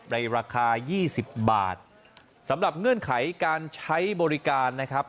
ในราคา๒๐บาทสำหรับเงื่อนไขการใช้บริการนะครับ